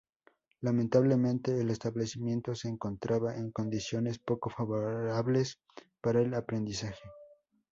Lamentablemente el establecimiento se encontraba en condiciones poco favorables para el aprendizaje.